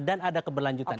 dan ada keberlanjutan